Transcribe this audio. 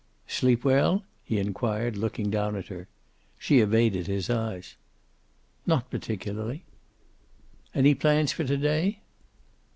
"Sleep well?" he inquired, looking down at her. She evaded his eyes. "Not particularly." "Any plans for to day?"